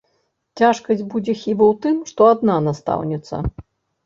Цяжкасць будзе хіба ў тым, што адна настаўніца.